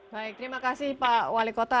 baik terima kasih pak wali kota